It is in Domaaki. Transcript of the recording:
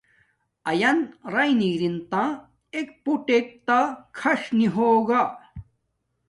اݵیَن رَئی نݵ رِن تݳ اݵک پݸٹݵک تݳ کھَݽ نݵ ہݸگݳ.